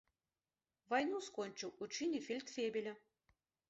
Вайну скончыў у чыне фельдфебеля.